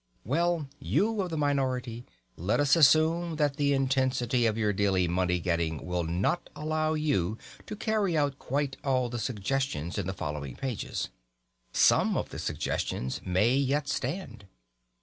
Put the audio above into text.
Well, you of the minority, let us assume that the intensity of your daily money getting will not allow you to carry out quite all the suggestions in the following pages. Some of the suggestions may yet stand.